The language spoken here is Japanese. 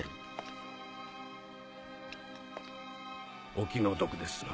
お気の毒ですが。